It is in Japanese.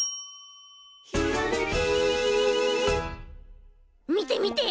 「ひらめき」みてみて！